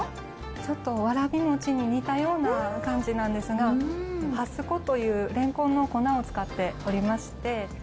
ちょっとわらび餅に似たような感じなんですが蓮粉という蓮根の粉を使っておりまして。